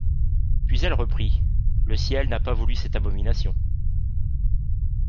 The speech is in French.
Puis elle reprit : —«Le Ciel n’a pas voulu cette abomination.